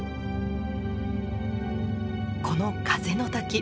この風の滝